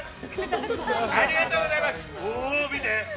ありがとうございます。